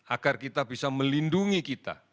agar kita bisa melindungi kita